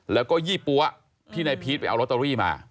แล้วก็ยี่ปั๊วที่นายพีชไปเอาลอตเตอรี่มา